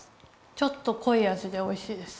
ちょっとこい味でおいしいです。